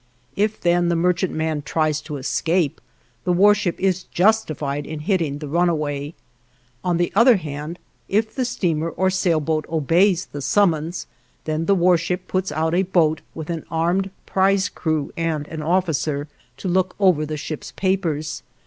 If then the merchantman tries to escape, the warship is justified in hitting the runaway. On the other hand, if the steamer or sailboat obeys the summons, then the warship puts out a boat with an armed prize crew and an officer to look over the ship's papers.